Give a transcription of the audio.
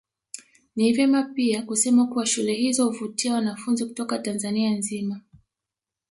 Ni vema pia kusema kuwa shule hizo huvutia wanafunzi kutoka Tanzania nzima